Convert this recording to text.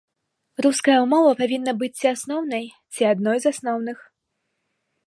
Руская мова павінна быць ці асноўнай, ці адной з асноўных.